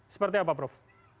seperti apa prof